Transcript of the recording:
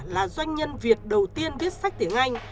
là doanh nhân việt đầu tiên viết sách tiếng anh